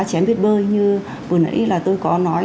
trẻ em biết bơi như vừa nãy tôi có nói